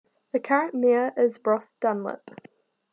The current mayor is Ross Dunlop.